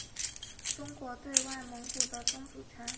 俄罗斯承认中国对外蒙古的宗主权。